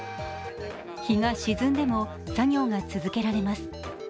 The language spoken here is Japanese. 日が沈んでも作業が続けられます。